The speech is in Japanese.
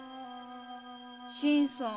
新さん。